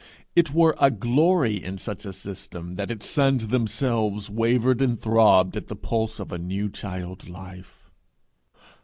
It were a glory in such system that its suns themselves wavered and throbbed at the pulse of a new child life.